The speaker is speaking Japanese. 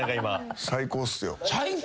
最高っすよ。